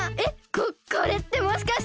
ここれってもしかして！？